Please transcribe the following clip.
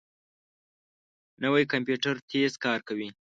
نوی کمپیوټر تېز کار کوي